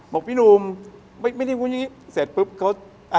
บอกพี่หนุ่มไม่ได้พูดอย่างนี้เสร็จปุ๊บเขา